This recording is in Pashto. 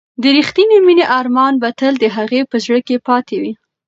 د ریښتینې مینې ارمان به تل د هغې په زړه کې پاتې وي.